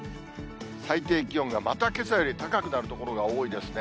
最低気温がまたけさより高くなる所が多いですね。